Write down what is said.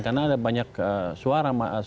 karena ada banyak yang disampaikan